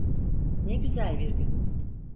Ne güzel bir gün.